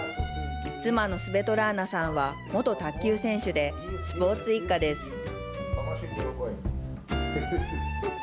妻のスベトラーナさんは元卓球選手で、スポーツ一家です。